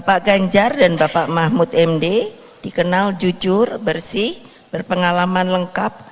pak ganjar dan bapak mahfud md dikenal jujur bersih berpengalaman lengkap